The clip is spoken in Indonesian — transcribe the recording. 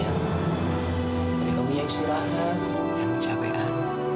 jadi kamu yang silahkan jangan kecapean